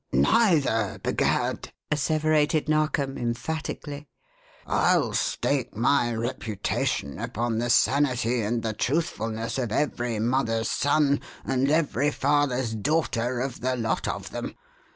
"Neither, b'gad!" asseverated Narkom, emphatically. "I'll stake my reputation upon the sanity and the truthfulness of every mother's son and every father's daughter of the lot of them!